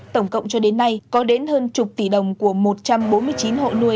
tổng cộng cho đến nay có đến hơn chục tỷ đồng của một trăm bốn mươi chín hộ nuôi